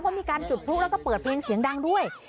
เพราะมีการจุดพลุแล้วก็เปิดเพลงเสียงดังด้วย